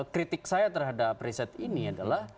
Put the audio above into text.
kritik saya terhadap riset ini adalah